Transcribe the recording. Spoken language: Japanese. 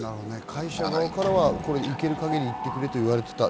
会社側からは行ける限り行ってくれと言っていた。